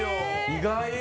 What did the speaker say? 意外。